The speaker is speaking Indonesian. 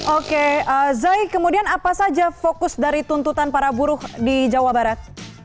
oke zai kemudian apa saja fokus dari tuntutan para buruh di jawa barat